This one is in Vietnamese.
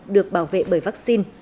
được bảo vệ bởi vắc xin